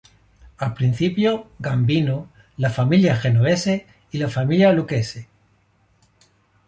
Al principio, Gambino, la familia Genovese y la familia Lucchese.